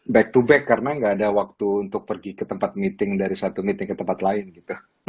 back to back karena gak ada waktu untuk pergi ke tempat meeting dari satu meeting ke tempat lain gitu